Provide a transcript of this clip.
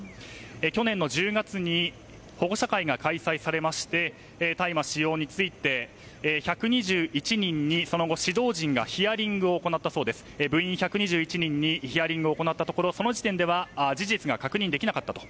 去年の１０月に保護者会が開催されまして大麻使用について、１２１人にその後、指導陣がヒアリングを行ったところその時点では事実が確認できなかったと。